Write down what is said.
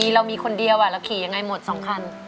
เรามีคนเดียวเราขี่ยังไงหมด๒คัน